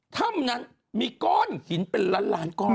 ถ้ำนั้นมีก้อนหินเป็นล้านล้านก้อน